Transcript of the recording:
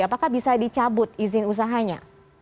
apakah bisa dicabut izin usahanya